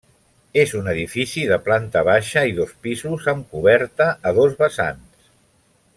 És un edifici de planta baixa i dos pisos amb coberta a dos vessants.